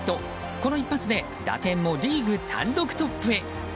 この一発で打点もリーグ単独トップへ。